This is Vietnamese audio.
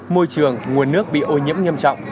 môi trường nguồn nước bị ô nhiễm nặng nề